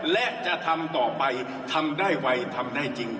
และจะทำต่อไปทำได้ไวทำได้จริง